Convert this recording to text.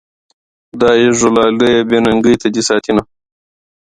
خدايږو لالیه بې ننګۍ ته دي ساتينه